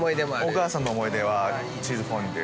お母さんの思い出はチーズフォンデュ。